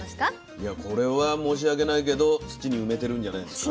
いやこれは申し訳ないけど土に埋めてるんじゃないんですか？